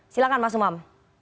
silahkan mas umam